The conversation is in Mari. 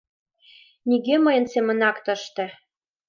Нигӧ мыйын семынак тыште